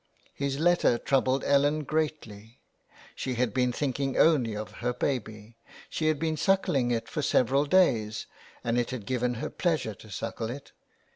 His letter troubled Ellen greatly. She had been thinking only of her baby, she had been suckling it for several days, and it had given her pleasure to suckle it.